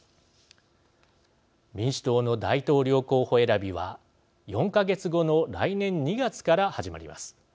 民主党の大統領候補選びは４か月後の来年２月から始まります。